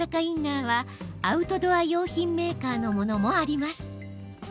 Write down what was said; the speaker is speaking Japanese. インナーはアウトドア用品メーカーのものもあります。